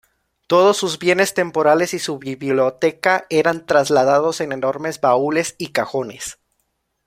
Todos sus bienes temporales y su biblioteca eran trasladados en enormes baúles y cajones.